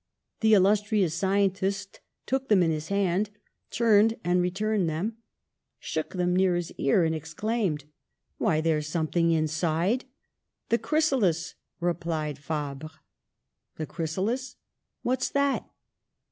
The illustrious scien tist took them in his hand, turned and returned them, shook them near his ear, and exclaimed: ''Why, there is something inside!" 'The chrysalis," replied Fabre. "The chrysalis! What's that?"